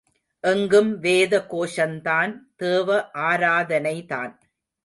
எங்கும் வேத கோஷந்தான், தேவ ஆராதனைதான்.